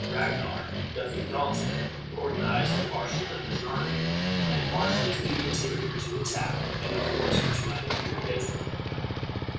Ragnar, nothing daunted, organized and marshaled them as an army, and marched into the interior to attack any force which might appear against them.